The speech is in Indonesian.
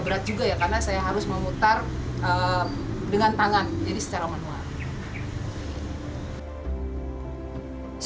berat juga ya karena saya harus memutar dengan tangan jadi secara manual